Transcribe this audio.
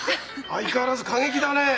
相変わらず過激だねえ！